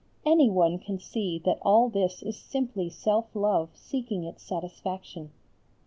Any one can see that all this is simply self love seeking its satisfaction.